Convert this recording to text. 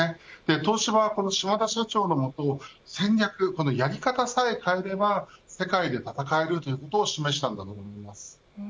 東芝は、この島田社長の下戦略、やり方さえ変えれば世界で戦えることを示したんだと思います。